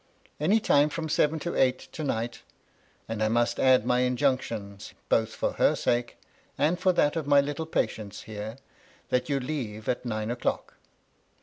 Any time from seven to eight to night ; and I must add my injunc tions, both for her sake, and for that of my little patient's, here, that you leave at nine o'clock.